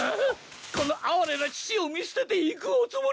この哀れな父を見捨てていくおつもりか！？